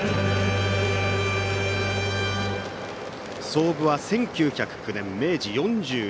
創部は１９０９年明治４２年。